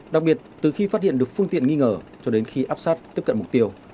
đặc biệt từ khi phát hiện được phương tiện nghi ngờ cho đến khi áp sát tiếp cận mục tiêu